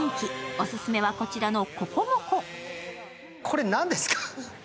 オススメは、こちらのココモコ。